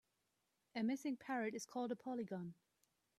A missing parrot is called a polygon.